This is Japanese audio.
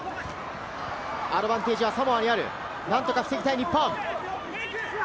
アドバンテージはサモアにある、何とかしていきたい日本。